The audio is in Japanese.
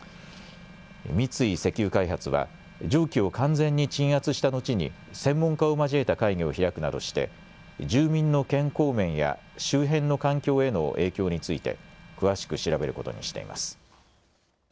三井石油開発は、蒸気を完全に鎮圧したのちに専門家を交えた会議を開くなどして住民の健康面や周辺の環境への影響について詳しく調べることにしています。